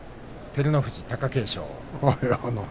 照ノ富士、貴景勝。